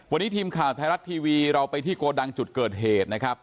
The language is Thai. วันนี้ทีมข่าวไทยรัฐทีวีเราไปที่โกดังจุดเกิดเหตุนะครับ